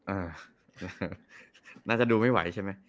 น่าจะดูไม่ไหวใช่ไหม